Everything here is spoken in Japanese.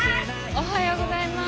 おはようございます。